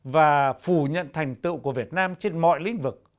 và phủ nhận thành tựu của việt nam trên mọi lĩnh vực